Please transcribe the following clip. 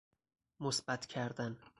مثبت کردن